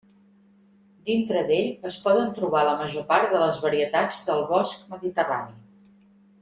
Dintre d'ell es poden trobar la major part de les varietats del bosc mediterrani.